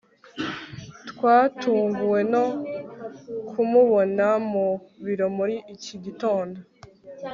twatunguwe no kumubona mu biro muri iki gitondo